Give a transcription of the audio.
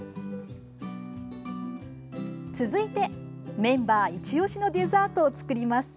続いて、メンバーいち押しのデザートを作ります。